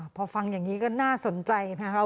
พอฟังอย่างนี้ก็น่าสนใจนะคะ